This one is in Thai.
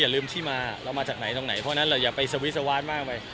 ลืมที่มาเรามาจากไหนตรงไหนเพราะฉะนั้นเราอย่าไปสวิสวาสมากไป